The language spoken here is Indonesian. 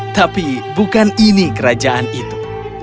tapi bukan ini kerajaan itu